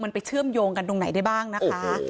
มันไปเชื่อมโยงกันตรงไหนได้บ้างนะคะ